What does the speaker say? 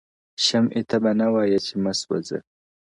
• شمعي ته به نه وایې چي مه سوځه,